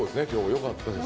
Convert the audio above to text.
よかったです。